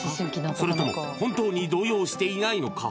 それとも本当に動揺していないのか？